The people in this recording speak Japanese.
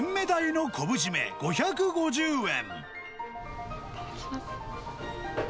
金目鯛の昆布締め５５０円。